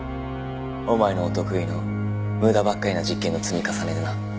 お前のお得意の無駄ばっかりな実験の積み重ねでな。